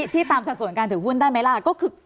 ที่ตามสัดส่วนการถือหุ้นได้ไหมล่ะ